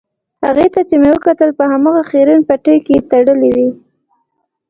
هغې ته چې مې وکتل په هماغه خیرن پټۍ کې تړلې وې.